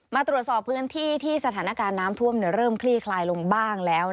มาตรวจสอบพื้นที่ที่สถานการณ์น้ำท่วมเริ่มคลี่คลายลงบ้างแล้ว